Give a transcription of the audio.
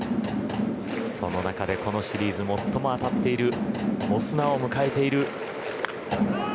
その中でこのシリーズ最も当たっているオスナを迎えている。